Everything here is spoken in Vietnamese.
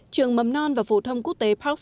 một mươi trường mầm non và phổ thông quốc tế parkfield